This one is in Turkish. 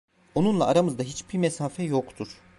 Onunla aramızda hiçbir mesafe yoktur.